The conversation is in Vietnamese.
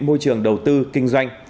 môi trường đầu tư kinh doanh